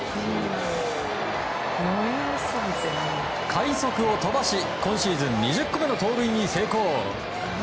快足を飛ばし今シーズン２０個目の盗塁に成功。